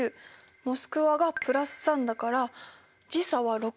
モスクワが＋３だから時差は６。